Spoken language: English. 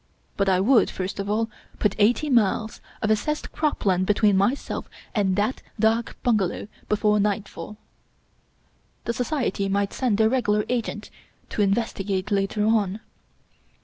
But I would, first of all, put eighty miles of assessed crop land between myself and that dak bungalow before nightfall. The Society might send their regular agent to investigate later on.